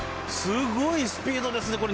すごいスピードですね。